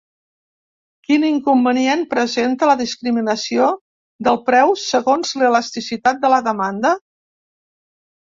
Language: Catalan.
Quin inconvenient presenta la discriminació del preu segons l'elasticitat de la demanda?